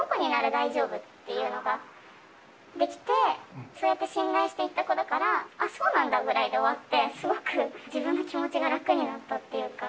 大丈夫っていうのができて、信頼していった子だから、そうなんだぐらいで終わって、すごく自分の気持ちが楽になったっていうか。